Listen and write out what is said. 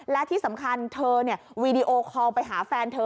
และที่สำคัญเธอวีดีโอคอลไปหาแฟนเธอ